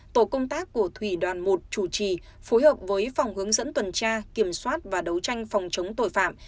tổ công tác của thủy đoàn một chủ trì phối hợp với phòng hướng dẫn tuần tra kiểm soát và đấu tranh phòng chống tội phạm